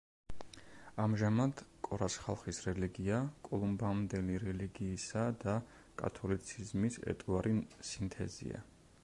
ამჟამად, კორას ხალხის რელიგია კოლუმბამდელი რელიგიისა და კათოლიციზმის ერთგავრი სინთეზია.